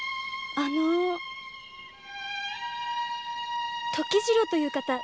その時次郎という人は？